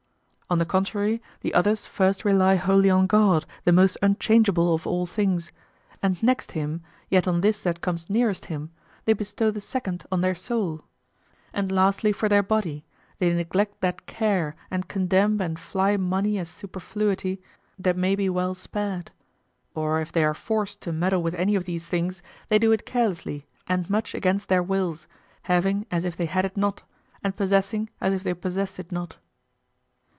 On the contrary, the others first rely wholly on God, the most unchangeable of all things; and next him, yet on this that comes nearest him, they bestow the second on their soul; and lastly, for their body, they neglect that care and condemn and fly money as superfluity that may be well spared; or if they are forced to meddle with any of these things, they do it carelessly and much against their wills, having as if they had it not, and possessing as if they possessed it not.